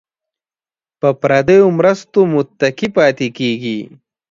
په پردیو مرستو متکي پاتې کیږي.